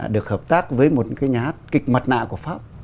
được hợp tác với một cái nhát kịch mặt nạ của pháp